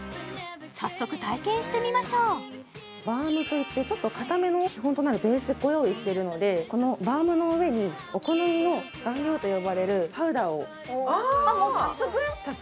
早速体験してみましょうバームといってちょっと硬めの基本となるベースご用意しているのでこのバームの上にお好みの顔料と呼ばれるパウダーをもう早速？